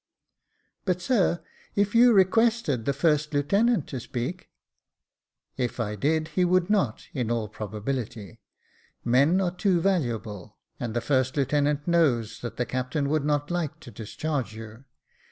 *' But, sir, if you requested the first lieutenant to speak ?"" If I did, he would not, in all probability ; men are too valuable, and the first lieutenant knows that the captain would not like to discharge you.